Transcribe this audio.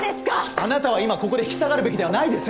あなたは今ここで引き下がるべきではないです！